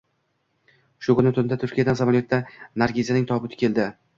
Shu kuni tunda Turkiyadan samolyotda Nargizaning tobuti keldi